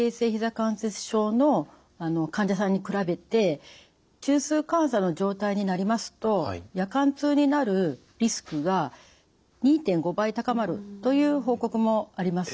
関節症の患者さんに比べて中枢感作の状態になりますと夜間痛になるリスクが２．５倍高まるという報告もあります。